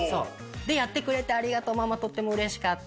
で「やってくれてありがとうママとってもうれしかった。